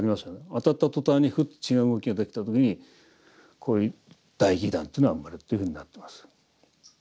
当たった途端にフッと違う動きができた時に大疑団というのが生まれるというふうになってます。